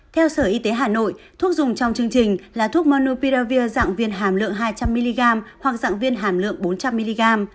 theo sở y tế hà nội thuốc dùng trong chương trình là thuốc monopiravir dạng viên hàm lượng hai trăm linh mg hoặc dạng viên hàm lượng bốn trăm linh mg